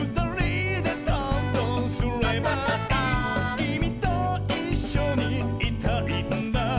「きみといっしょにいたいんだ」